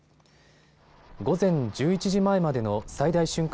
午前１１時前までの最大瞬間